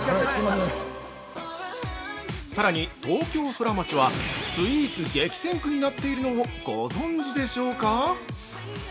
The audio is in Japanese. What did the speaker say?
◆さらに、東京ソラマチはスイーツ激戦区になっているのをご存知でしょうか？